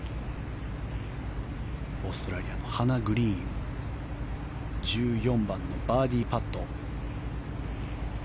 オーストラリアのハナ・グリーン１４番のバーディーパット。